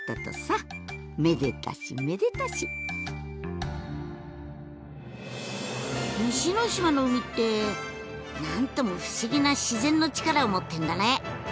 めでたしめでたし西ノ島の海って何とも不思議な自然の力を持ってるんだね！